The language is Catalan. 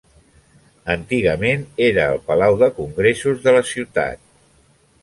Antigament era el palau de congressos de la ciutat.